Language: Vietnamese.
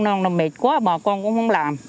nó mệt quá bà con cũng không làm